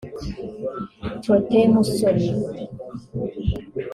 Protais Musoni